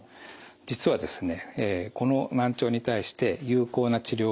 実はですね